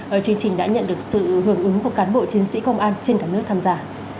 ở chương trình đã nhận được sự hưởng ứng của cán bộ chiến sĩ công an trên cả nước tham gia